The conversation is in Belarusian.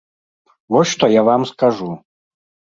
Вось што я вам скажу!